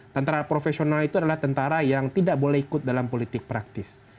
tentara profesional itu adalah tentara yang tidak boleh ikut dalam politik praktis